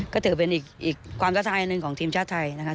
ก็ถือเป็นอีกอีกความทัศน์อันหนึ่งของทีมชาติไทยนะคะ